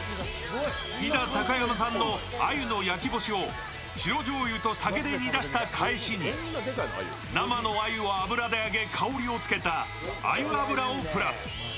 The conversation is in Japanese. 飛騨高山産の鮎の焼き干しを白じょうゆと酒で煮だした返しに生の鮎を油で揚げ、香りをつけた鮎油をプラス。